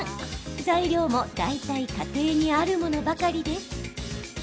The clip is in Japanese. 材料も大体家庭にあるものばかりです。